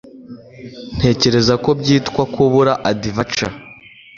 ntekereza ko byitwa kubura adventure